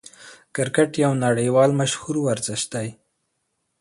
کرکټ یو نړۍوال مشهور ورزش دئ.